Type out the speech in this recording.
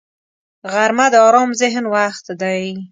غرمه د آرام ذهن وخت دی